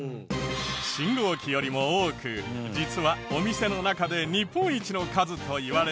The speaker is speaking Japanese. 信号機よりも多く実はお店の中で日本一の数といわれる美容院。